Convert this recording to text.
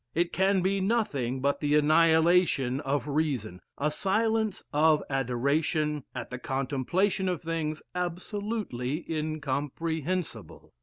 It can be nothing but the annihilation of reason, a silence of adoration at the contemplation of things absolutely incomprehensible.